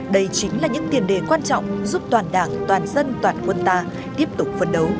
đây chính là những tiền đề quan trọng giúp toàn đảng toàn dân toàn quân ta tiếp tục phấn đấu